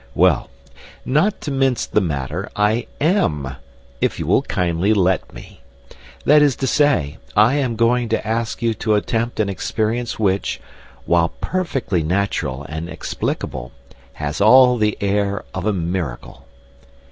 Well, not to mince the matter, I am if you will kindly let me! That is to say, I am going to ask you to attempt an experience which, while perfectly natural and explicable, has all the air of a miracle.